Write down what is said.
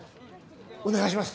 お願いします！